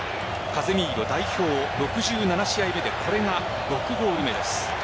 カゼミーロ、代表６７試合目でこれが６ゴール目です。